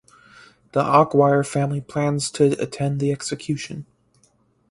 The Aguirre family plans to attend the execution.